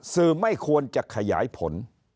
สื่อไม่ควรจะขยายผล